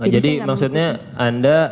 jadi maksudnya anda apply untuk ya